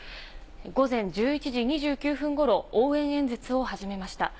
午前１１時２９分ごろ、応援演説を始めました。